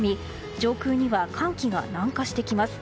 上空には寒気が南下してきます。